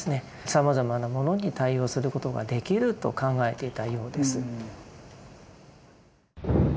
さまざまなものに対応することができると考えていたようです。